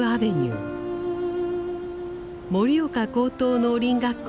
盛岡高等農林学校